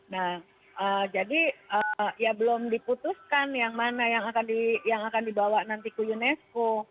nah jadi ya belum diputuskan yang mana yang akan dibawa nanti ke unesco